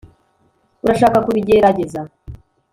urashaka kubigerageza